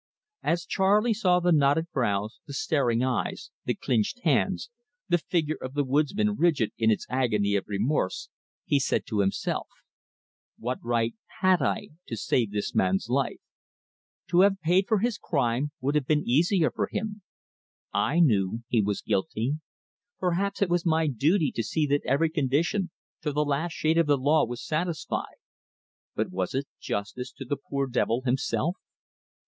As Charley saw the knotted brows, the staring eyes, the clinched hands, the figure of the woodsman rigid in its agony of remorse, he said to himself: "What right had I to save this man's life? To have paid for his crime would have been easier for him. I knew he was guilty. Perhaps it was my duty to see that every condition, to the last shade of the law, was satisfied, but was it justice to the poor devil himself?